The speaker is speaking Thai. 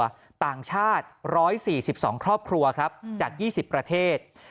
ต่างชาติ๑๔๒ครอบครัวครับจาก๒๐ประเทศ